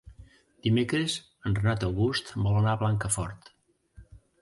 Dimecres en Renat August vol anar a Blancafort.